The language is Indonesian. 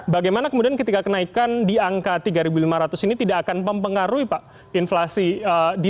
bagaimana kemudian ketika kenaikan di angka tiga lima ratus ini tidak akan mempengaruhi pak inflasi